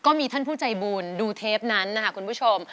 ก็มีท่านผู้ใจบุญดูเทปนั้นนะคะคุณผู้ชม